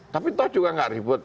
tapi toh juga nggak ribut